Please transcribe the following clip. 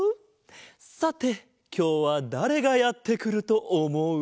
さてきょうはだれがやってくるとおもう？